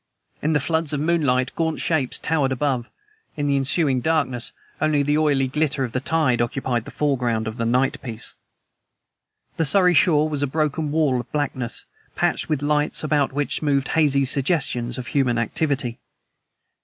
In the floods of moonlight gaunt shapes towered above; in the ensuing darkness only the oily glitter of the tide occupied the foreground of the night piece. The Surrey shore was a broken wall of blackness, patched with lights about which moved hazy suggestions of human activity.